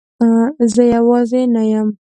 زه یوازی نه یم